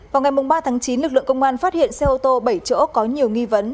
vào ngày ba tháng chín lực lượng công an phát hiện xe ô tô bảy chỗ có nhiều nghi vấn